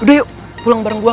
udah yuk pulang bareng gue